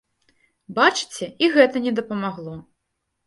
Бачыце, і гэта не дапамагло!